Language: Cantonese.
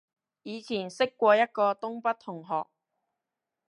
以前識過一個東北同學